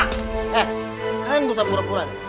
hei kalian jangan pura pura